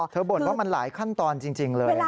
บ่นว่ามันหลายขั้นตอนจริงเลย